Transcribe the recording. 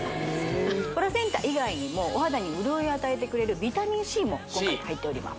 プラセンタ以外にもお肌に潤いを与えてくれるビタミンＣも今回入っております